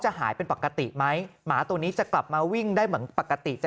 หายเป็นปกติไหมหมาตัวนี้จะกลับมาวิ่งได้เหมือนปกติจะ